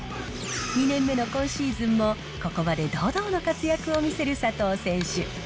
２年目の今シーズンも、ここまで堂々の活躍を見せる佐藤選手。